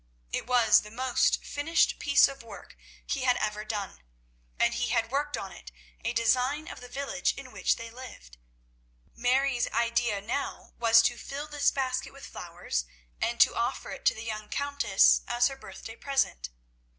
It was the most finished piece of work he had ever done, and he had worked on it a design of the village in which they lived. Mary's idea now was to fill this basket with flowers, and to offer it to the young Countess as her birthday present.